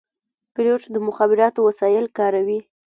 پیلوټ د مخابراتو وسایل کاروي.